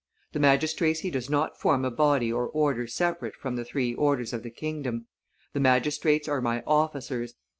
The magistracy does not form a body or order separate from the three orders of the kingdom; the magistrates are my officers.